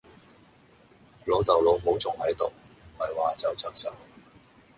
老竇老母仲係度，唔係話走就走